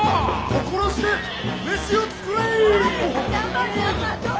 心して飯を作れい！